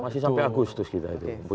masih sampai agustus kita itu